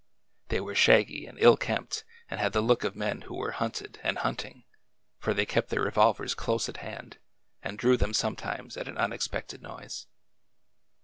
They were shaggy and ill kempt, and had the look of men who were hunted and hunting, for they kept their re volvers close at hand and drew them sometimes at an un expected noise.